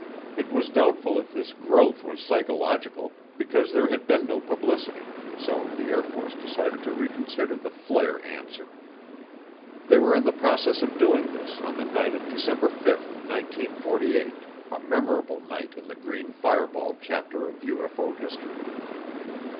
It was doubtful if this "growth" was psychological because there had been no publicity so the Air Force decided to reconsider the "flare" answer. They were in the process of doing this on the night of December 5, 1948, a memorable night in the green fireball chapter of UFO history.